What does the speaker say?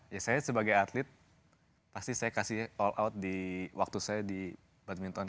ya saya sebagai atlet pasti saya kasih all out di waktu saya di badminton